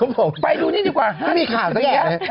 ไม่มีข่าวซักอย่างเลย